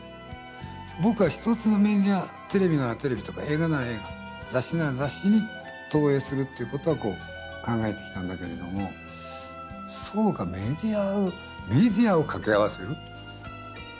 僕は一つのメディアテレビならテレビとか映画なら映画雑誌なら雑誌に投影するっていうことはこう考えてきたんだけれどもそうかメディア。